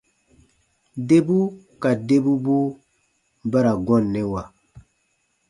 Debu ka debubuu ba ra gɔnnɛwa.